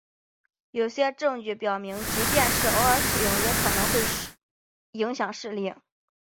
有些证据表明即便是偶尔使用也可能会影响视力。